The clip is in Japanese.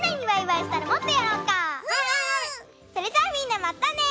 それじゃあみんなまたね！